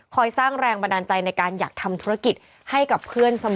สร้างแรงบันดาลใจในการอยากทำธุรกิจให้กับเพื่อนเสมอ